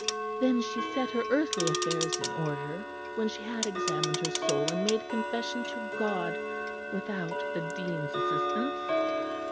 "Then she set her earthly affairs in order when she had examined her soul and made confession to God without the Dean's assistance.